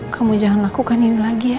kamu jangan lakukan ini lagi ya